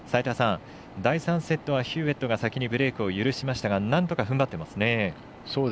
第３セットはヒューウェットが先にブレークを許しましたがなんとかふんばってますね。